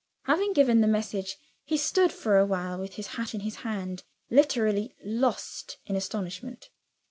Having given the message, he stood for a while, with his hat in his hand literally lost in astonishment.